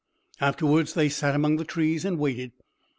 Afterward they sat among the trees and waited.